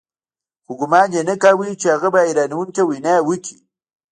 خو ګومان یې نه کاوه چې هغه به حیرانوونکې وینا وکړي